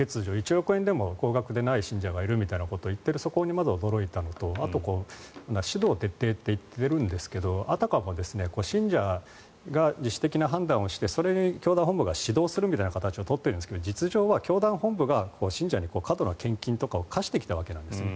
１億円でも高額でない信者がいるということにまず驚いたのとあと、指導を徹底と言っているんですがあたかも信徒が自主的な判断をしてそれを教団本部が指導するみたいな形を取っているんですが実情は教団本部が信者に過度な献金を課してきたわけなんですよね。